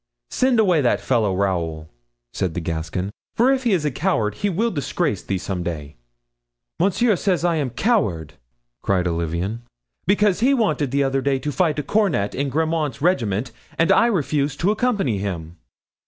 "Send away that fellow, Raoul," said the Gascon; "for if he's a coward he will disgrace thee some day." "Monsieur says I am coward," cried Olivain, "because he wanted the other day to fight a cornet in Grammont's regiment and I refused to accompany him."